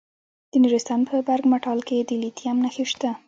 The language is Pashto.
د نورستان په برګ مټال کې د لیتیم نښې شته.